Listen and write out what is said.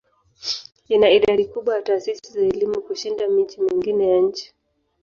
Ina idadi kubwa ya taasisi za elimu kushinda miji mingine ya nchi.